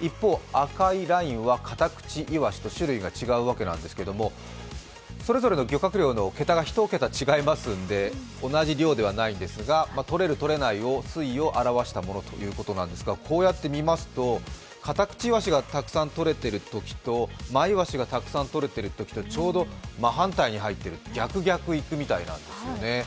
一方、赤いラインはカタクチイワシと種類が違うわけなんですけれども、それぞれの漁獲量の桁が１桁違いますので、同じ量ではないんですが、とれる、とれないの推移を表したものなんですがこうやって見ますとカタクチイワシがたくさん取れている年とマイワシがたくさん取れているときとちょうど真反対に取れている逆、逆いくみたいなんですね。